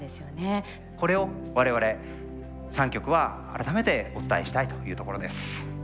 これを我々３局は改めてお伝えしたいというところです。